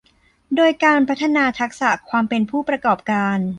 โดยการพัฒนาทักษะความเป็นผู้ประกอบการ